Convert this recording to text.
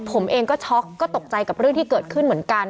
ผมเองก็ช็อกก็ตกใจกับเรื่องที่เกิดขึ้นเหมือนกัน